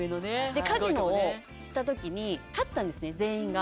カジノを、行ったときに、勝ったんです、全員が。